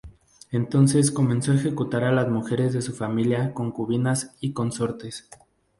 Entonces, comenzó a ejecutar a las mujeres de su familia, concubinas y consortes.